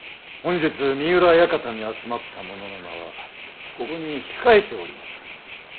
本日三浦館に集まった者の名はここに控えておりまする。